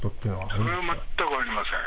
それは全くありません。